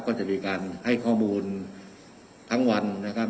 ก็จะมีการให้ข้อมูลทั้งวันนะครับ